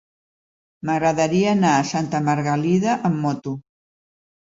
M'agradaria anar a Santa Margalida amb moto.